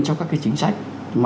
trong các cái chính sách